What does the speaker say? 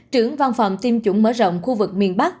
trưởng văn phòng tiêm chủng mở rộng khu vực miền bắc